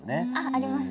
あります。